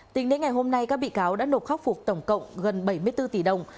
tính đến ngày hôm nay các bị cáo đã nộp khắc phục tổng cộng gần bảy mươi bốn tỷ đồng